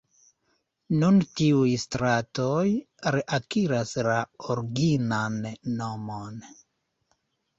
Nun tiuj stratoj reakiras la originan nomon.